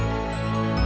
jadi gua selalu gua ini